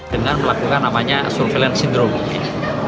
dengan melakukan namanya surveillance syndrome mungkin